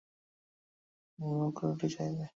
তবে প্রতিদিন ভউ ভউ করে রুটি চাইবে।